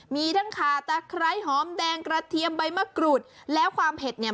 มีทั้งขาตะไคร้หอมแดงกระเทียมใบมะกรูดแล้วความเผ็ดเนี่ย